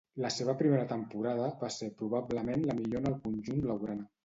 La seva primera temporada va ser probablement la millor en el conjunt blaugrana.